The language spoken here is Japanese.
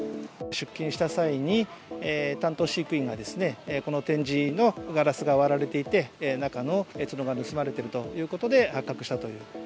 出勤した際に、担当飼育員が、この展示のガラスが割られていて、中の角が盗まれているということで、発覚したという。